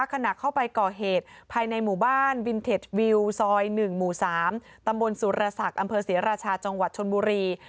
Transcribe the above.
ขณะเข้าไปก่อเหตุภายในหมู่บ้านวินเทจวิวซอย๑หมู่๓ตำบลสุรศักดิ์อำเภอศรีราชาจังหวัดชนบุรี